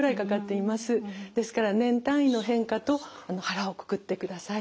ですから年単位の変化と腹をくくってください。